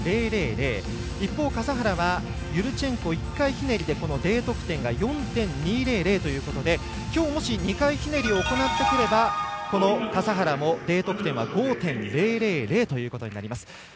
一方、笠原はユルチェンコ１回ひねりでＤ得点が４．２００ということできょう、もし２回ひねりを行ってくれば笠原もＤ得点は５．０００ということになります。